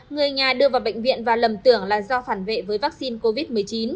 người nhà đưa vào bệnh viện và lầm tưởng là do phản vệ với vaccine covid một mươi chín